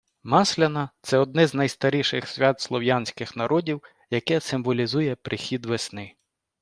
Масляна – це одне з найстаріших свят слов'янських народів, яке символізує прихід весни.